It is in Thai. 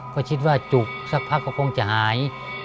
ก็คิดว่าจุกสักพักก็คงจะหาย